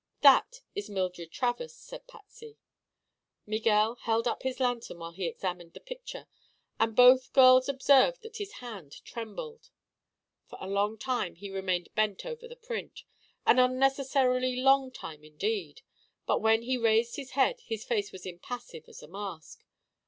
"That is Mildred Travers," said Patsy. Miguel held up his lantern while he examined the picture and both girls observed that his hand trembled. For a long time he remained bent over the print—an unnecessarily long time, indeed—but when he raised his head his face was impassive as a mask.